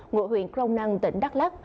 ngộ huyện crong năng tỉnh đắk lắk